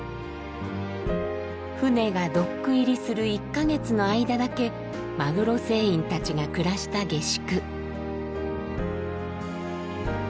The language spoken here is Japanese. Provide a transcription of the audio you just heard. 船がドック入りする１か月の間だけマグロ船員たちが暮らした下宿。